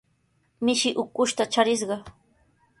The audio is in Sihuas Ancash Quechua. Mishi ukushta charishqa.